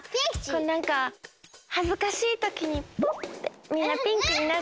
こうなんかはずかしいときにポッてみんなピンクになる。